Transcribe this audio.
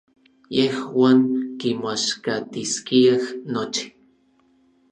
Yejuan kimoaxkatiskiaj nochi.